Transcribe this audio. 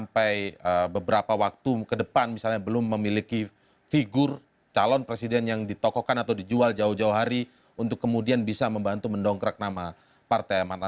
biar kontraryum ustadz wing bandung lebih bisa quemerkan